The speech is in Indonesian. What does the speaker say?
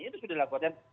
itu sudah dilakukan